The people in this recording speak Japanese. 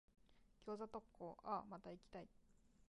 餃子特講、あぁ、また行きたい。